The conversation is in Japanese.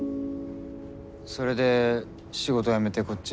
それで仕事辞めてこっちへ？